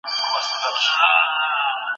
مستوونکي سندري او موسيقي د انسان عقل تخريبوي.